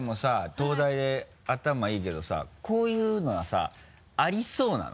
東大で頭いいけどさこういうのはさありそうなの？